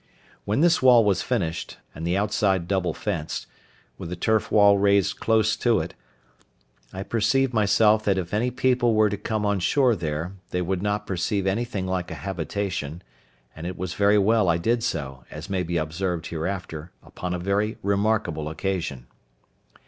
When this wall was finished, and the outside double fenced, with a turf wall raised up close to it, I perceived myself that if any people were to come on shore there, they would not perceive anything like a habitation; and it was very well I did so, as may be observed hereafter, upon a very remarkable occasion.